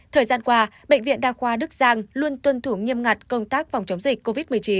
thời gian qua bệnh viện đa khoa đức giang luôn tuân thủ nghiêm ngặt công tác phòng chống dịch covid một mươi chín